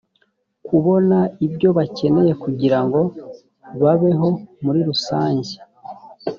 kubona ibyo bakeneye kugira ngo babeho muri rusanjye